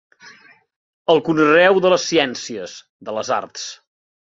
El conreu de les ciències, de les arts.